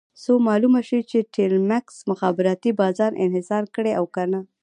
څو معلومه شي چې ټیلمکس مخابراتي بازار انحصار کړی او که نه.